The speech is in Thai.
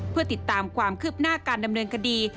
เพื่อติดตามความคืบหน้าการดำเนินคดี